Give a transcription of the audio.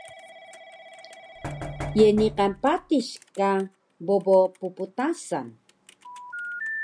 Ye niqan patis ka bobo pptasan?